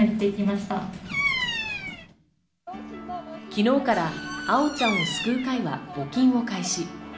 昨日から「あおちゃんを救う会」は募金を開始。